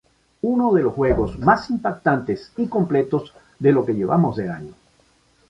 Uno de los juegos más impactantes y completos de lo que llevamos de año".